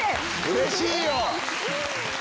うれしいよ！